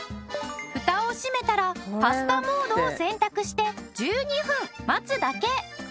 蓋を閉めたらパスタモードを選択して１２分待つだけ！